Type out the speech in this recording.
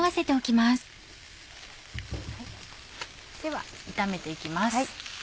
では炒めていきます。